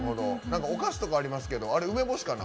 お菓子とかありますけど梅干しかな。